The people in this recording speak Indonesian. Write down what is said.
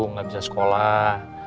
gak bisa sekolah